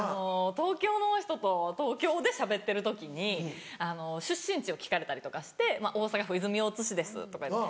東京の人と東京でしゃべってる時に出身地を聞かれたりとかして「大阪府泉大津市です」とか。